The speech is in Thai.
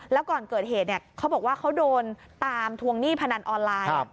แล้วก่อนเกิดเหตุเขาบอกว่าเขาโดนตามทวงหนี้พนันออนไลน์